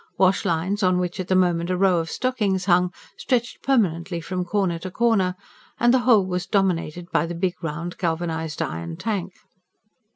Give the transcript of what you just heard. Wash lines, on which at the moment a row of stockings hung, stretched permanently from corner to corner; and the whole was dominated by the big round galvanised iron tank.